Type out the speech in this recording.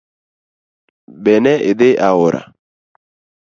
Be ne idhi aora?